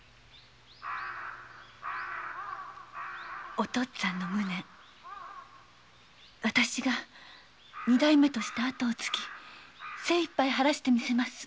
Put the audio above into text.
お父っつぁんの無念わたしが二代目として跡を継ぎ精一杯晴らしてみせます。